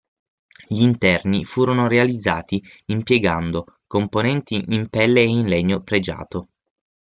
Gli interni furono realizzati impiegando componenti in pelle e in legno pregiato.